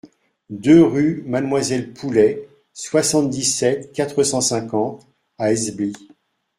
deux rue Mademoiselle Poulet, soixante-dix-sept, quatre cent cinquante à Esbly